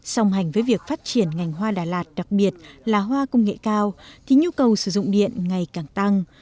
song hành với việc phát triển ngành hoa đà lạt đặc biệt là hoa công nghệ cao thì nhu cầu sử dụng điện ngày càng tăng